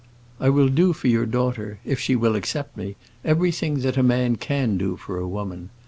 I will do for your daughter, if she will accept me, everything that a man can do for a woman.